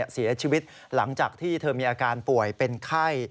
เสียชีวิตหลังจากที่เธอมีอาการป่วยเป็นไข้